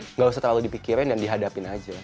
nggak usah terlalu dipikirin dan dihadapin aja